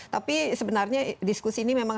tapi sebenarnya diskusi ini memang